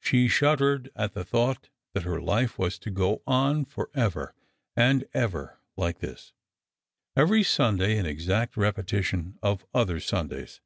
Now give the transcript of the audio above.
She shuddered at the thought that her life was to go on for ever and ever hke this; every Sunday an exact repetition of other Sundays.